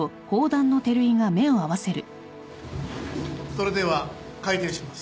それでは開廷します。